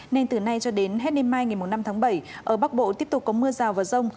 nên từ nay cho đến hết đêm mai ngày năm tháng bảy ở bắc bộ tiếp tục có mưa rào và rông